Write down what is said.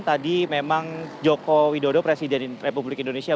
tadi memang joko widodo presiden republik indonesia